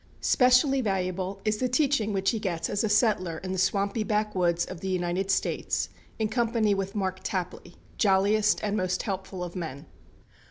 Specially valuable is the teaching which he gets as a settler in the swampy backwoods of the United States in company with Mark Tapley, jolliest and most helpful of men.